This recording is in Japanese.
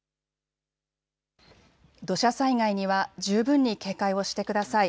土砂災害には十分に警戒をしてください。